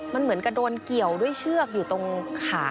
มันเหมือนกระโดนเกี่ยวด้วยเชือกอยู่ตรงขา